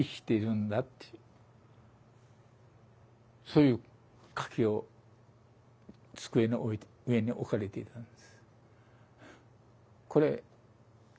そういう書きを机の上に置かれていたんです。